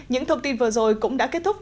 những thông tin vừa rồi cũng đã kết thúc